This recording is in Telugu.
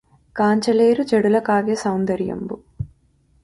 కాంచలేరు జడులు కావ్య సౌందర్యంబు